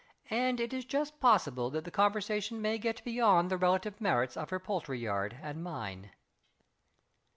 "And it is just possible that the conversation may get beyond the relative merits of her poultry yard and mine."